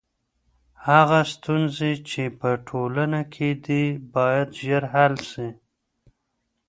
هغه ستونزي چي په ټولنه کي دي باید ژر حل سي.